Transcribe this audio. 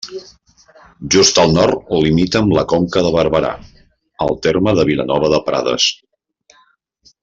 Just al nord limita amb la Conca de Barberà: el terme de Vilanova de Prades.